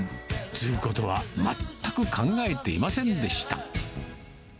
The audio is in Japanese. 継ぐことは全く考えていませんでした。